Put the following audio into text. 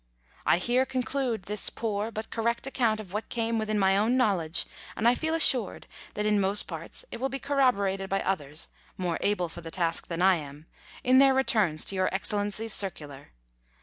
I here conclude this poor, but correct, account of what came within my own knowledge, and I feel assured that in most parts it will bo, corroborated by others (more able for the task than I am) in their returns to Your Excellency's circular.